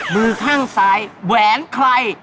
มือข้างซ้ายแหวนใคร